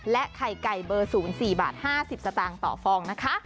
ไข่ไก่เบอร์๐๔บาท๕๐สตางค์ต่อฟองนะคะ